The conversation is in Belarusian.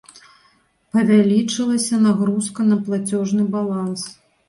Павялічылася нагрузка на плацежны баланс.